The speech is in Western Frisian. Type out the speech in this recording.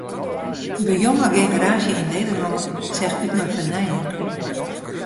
De jonge generaasje yn Nederlân seach út nei fernijing.